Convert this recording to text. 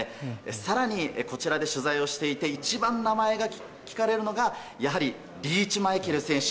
更に、こちらで取材をしていて一番名前が聞かれるのがやはり、リーチマイケル選手。